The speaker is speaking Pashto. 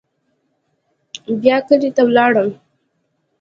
بيا کلي ته ولاړم.